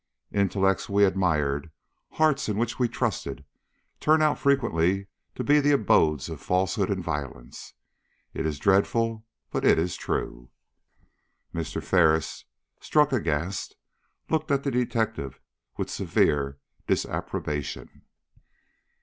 Intellects we admired, hearts in which we trusted, turn out frequently to be the abodes of falsehood and violence. It is dreadful, but it is true." Mr. Ferris, struck aghast, looked at the detective with severe disapprobation.